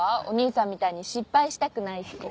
お兄さんみたいに失敗したくないし。